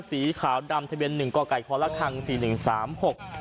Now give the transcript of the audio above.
สีขาวดำทะเบียนหนึ่งก่อไก่คอละครังสี่หนึ่งสามหก